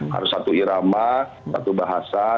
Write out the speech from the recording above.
harus satu irama satu bahasa